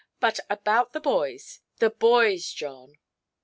But about the boys, the boys, John"?